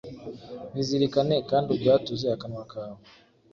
bizirikane kandi ubyatuze akanwa kawe.